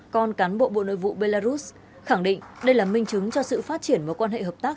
con cán bộ bộ nội vụ belarus khẳng định đây là minh chứng cho sự phát triển mối quan hệ hợp tác